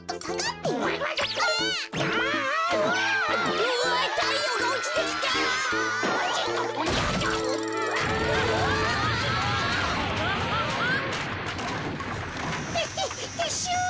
てててっしゅう。